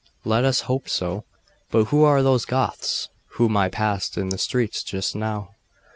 'Let us hope so. But who are those Goths whom I passed in the streets just now?